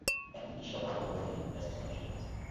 এতদিন কিসব আবোল তাবোল নিয়ে ব্যস্ত ছিলাম সেটাই ভাবছি।